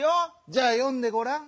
じゃあよんでごらん。